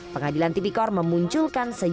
pengadilan tipikor memunculkan sejujurnya